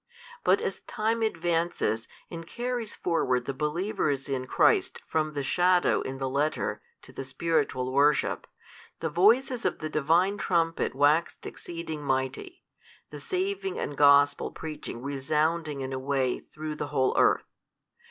But as time advances, and carries forward the believers in Christ from the shadow in the letter to the spiritual worship, the voices of the Divine trumpet waxed exceeding mighty, the saving and Gospel preaching resounding in a way through the whole earth.